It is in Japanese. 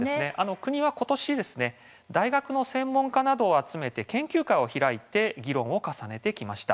国は今年、大学の専門家などを集めて研究会を開いて議論を重ねてきました。